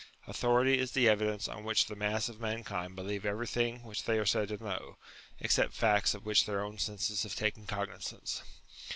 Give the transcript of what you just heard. Authority is the evidence on which the mass of mankind believe everything which they are said to know, except facts of which their own senses have taken cognizance.